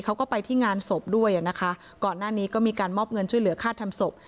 เขาก็ไปที่งานศพด้วยอ่ะนะคะก่อนหน้านี้ก็มีการมอบเงินช่วยเหลือค่าทำศพ